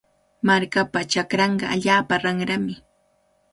Markapa chakranqa allaapa ranrami.